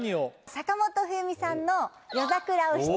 坂本冬美さんの「夜桜お七」